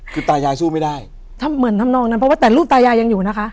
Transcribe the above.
คือตายายสู้ไม่ได้ทำเหมือนทำนองนั้นเพราะว่าแต่รูปตายายยังอยู่นะคะ